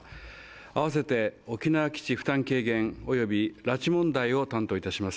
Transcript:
あわせて、沖縄基地負担軽減および拉致問題を担当いたします